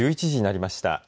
１１時になりました。